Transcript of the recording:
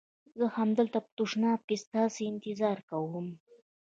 زه همدلته په تشناب کې ستاسي انتظار کوم.